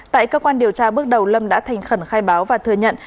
tại cơ quan điều tra bước đầu lâm đã thành khẩn khai báo và thừa nhận